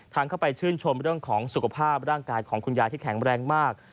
เข้าไปชื่นชมเรื่องของสุขภาพร่างกายของคุณยายที่แข็งแรงมาก